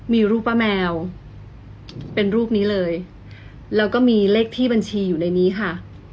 มีรูปป้าแมวเป็นรูปนี้เลยแล้วก็มีเลขที่บัญชีอยู่ในนี้ค่ะ